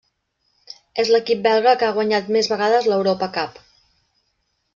És l'equip belga que ha guanyat més vegades l'Europa Cup.